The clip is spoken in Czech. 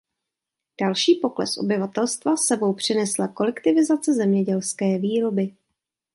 Další pokles obyvatelstva s sebou přinesla kolektivizace zemědělské výroby.